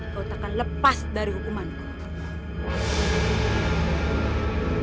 kau tak akan lepas dari hukumanku